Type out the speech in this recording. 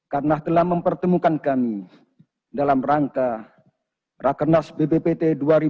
karena telah mempertemukan kami dalam rangka rakenas bppt dua ribu dua puluh satu